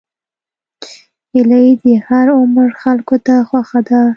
هیلۍ د هر عمر خلکو ته خوښه ده